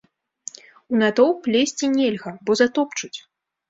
У натоўп лезці нельга, бо затопчуць.